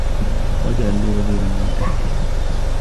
واجعل لي وزيرا من أهلي